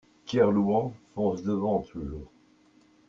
Kerlouan, Fonce Devant Toujours.